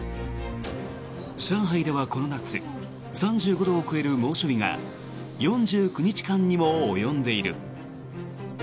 上海ではこの夏３５度を超える猛暑日が４９日間にも及んでいる。